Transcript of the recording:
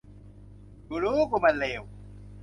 กูรู้ กูมันเลว